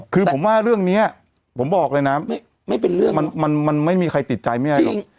คือผมว่าเรื่องนี้ผมบอกเลยนะมันไม่มีใครติดใจไม่ได้หรอก